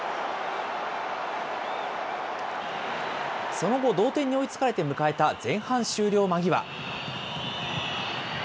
その後、同点に追いつかれて迎えた前半終了間際。